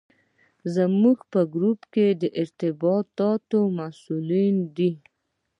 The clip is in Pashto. زموږ په ګروپ کې د ارتباطاتو مسوول دی.